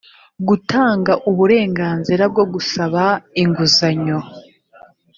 gutanga uburenganzira bwo gusaba inguzanyo